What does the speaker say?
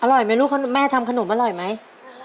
อร่อยไหมลูกแม่ทำขนมอร่อยไหม